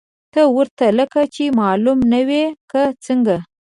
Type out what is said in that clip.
ته ورته لکه چې معلوم نه وې، که څنګه!؟